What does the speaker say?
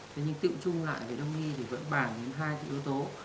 thế nhưng tự trung lại thì đông y vẫn bàn những hai yếu tố